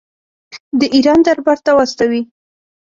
د ایران دربار ته واستوي.